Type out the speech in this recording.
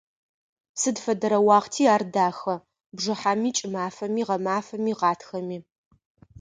Сыд фэдэрэ уахъти ар дахэ: бжыхьэми, кӏымафэми, гъэмафэми, гъатхэми.